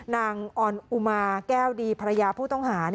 นางออนอุมาแก้วดีภรรยาผู้ต้องหา